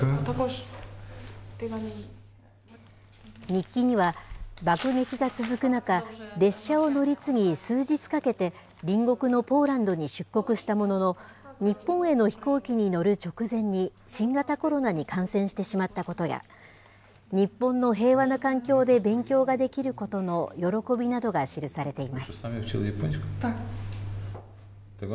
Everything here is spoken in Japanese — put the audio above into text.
日記には、爆撃が続く中、列車を乗り継ぎ数日かけて隣国のポーランドに出国したものの、日本への飛行機に乗る直前に新型コロナに感染してしまったことや、日本の平和な環境で勉強ができることの喜びなどが記されています。